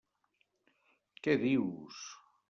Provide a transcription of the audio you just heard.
Què dius!